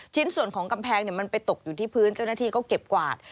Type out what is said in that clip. ชิ้นส่วนของกำแพงมันไปตกอยู่ที่พื้นเจ้าหน้าที่ก็เก็บกวาด